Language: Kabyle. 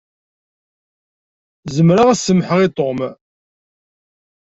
Zemreɣ ad semmḥeɣ i Tom.